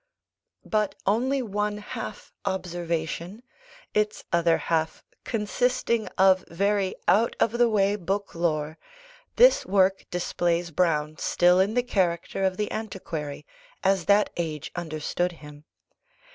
But, only one half observation, its other half consisting of very out of the way book lore, this work displays Browne still in the character of the antiquary, as that age understood him.